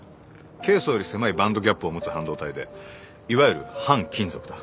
ケイ素より狭いバンドギャップを持つ半導体でいわゆる半金属だ。